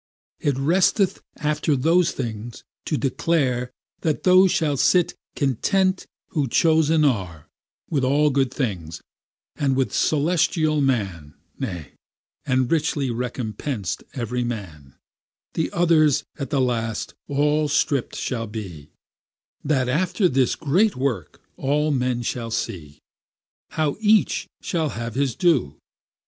It resteth after those things to declare, That those shall sit content who chosen are, With all good things, and with celestial man (ne,) And richly recompensed every man: The others at the last all stripp'd shall be, That after this great work all men may see, How each shall have his due.